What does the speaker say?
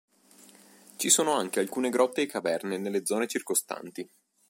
Ci sono anche alcune grotte e caverne nelle zone circostanti.